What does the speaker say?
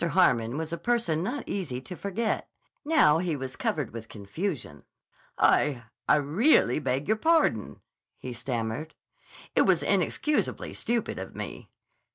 Harmon was a person not easy to forget. Now he was covered with confusion. "I—I really beg your pardon," he stammered. "It was inexcusably stupid of me."